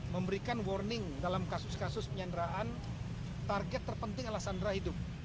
memberikan warning dalam kasus kasus penyanderaan target terpenting adalah sandra hidup